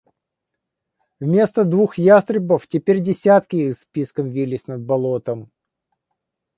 Вместо двух ястребов теперь десятки их с писком вились над болотом.